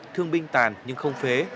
thương binh tàn nhưng không phế